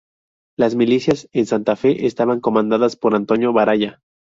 Las milicias en Santa Fe estaban comandadas por Antonio Baraya.